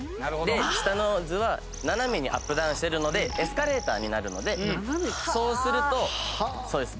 下の図は斜めにアップダウンしてるのでエスカレーターになるのでそうするとそうです。